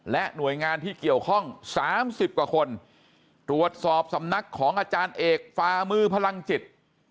และหน่วยงานที่เกี่ยวข้อง๓๐กว่าคนตรวจสอบสำนักของอาจารย์เอกฝามือพลังจิต